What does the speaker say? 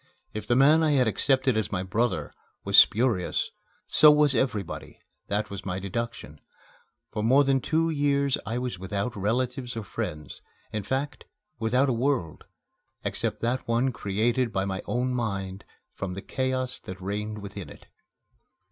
If the man I had accepted as my brother was spurious, so was everybody that was my deduction. For more than two years I was without relatives or friends, in fact, without a world, except that one created by my own mind from the chaos that reigned within it.